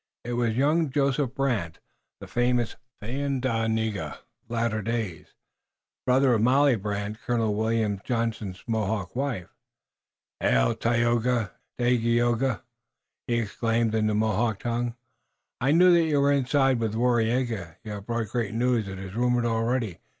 It was young Joseph Brant, the famous Thayendanega of later days, the brother of Molly Brant, Colonel William Johnson's Mohawk wife. "Hail, Tayoga! Hail, Dagaeoga!" he exclaimed in the Mohawk tongue. "I knew that you were inside with Waraiyageh! You have brought great news, it is rumored already!